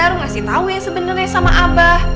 rum ngasih tau yang sebenernya sama abah